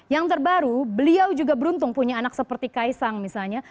yang terbaru beliau juga beruntung punya anak seperti kaisang misalnya